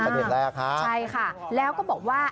นี่เป็นเด็ดแรกค่ะใช่ค่ะแล้วก็บอกว่า